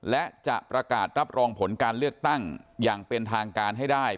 และจะประกาศรับรองผลการเลือกตั้งอย่างเป็นทางการให้ได้